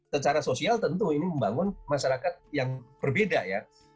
secara sosial tentu ini membangun masyarakat yang berbeda ya